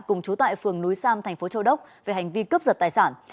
cùng chú tại phường núi sam thành phố châu đốc về hành vi cướp giật tài sản